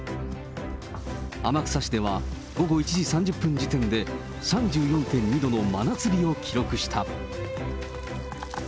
天草市では、午後１時３０分時点で３４．２度の真夏日を記録した。